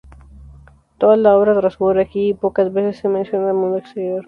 Toda la obra transcurre aquí, y pocas veces se menciona al mundo exterior.